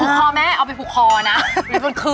คือขอแม่เอาไปพูดคอนะหรือว่าคือ